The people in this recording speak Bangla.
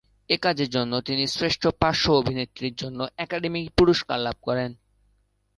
এই কাজের জন্য তিনি শ্রেষ্ঠ পার্শ্ব অভিনেত্রীর জন্য একাডেমি পুরস্কার লাভ করেন।